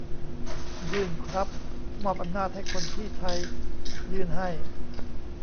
ยื่นครับ มอบอำนาจให้คนที่ไทยยื่นให้